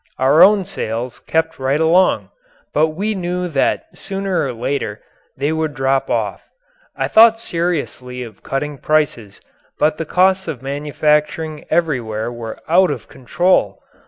Our own sales kept right along, but we knew that sooner or later they would drop off. I thought seriously of cutting prices, but the costs of manufacturing everywhere were out of control.